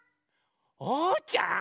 おうちゃん！